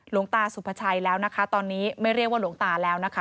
หลวงตาสุภาชัยแล้วนะคะตอนนี้ไม่เรียกว่าหลวงตาแล้วนะคะ